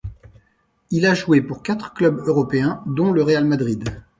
Il a joué pour quatre clubs européens, dont le Real Madrid.